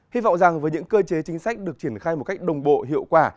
hy vọng rằng với những cơ chế chính sách được triển khai một cách đồng bộ hiệu quả